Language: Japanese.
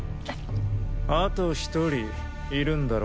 あと１人いるんだろ？